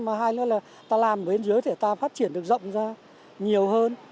mà hai nữa là ta làm bên dưới thì ta phát triển được rộng ra nhiều hơn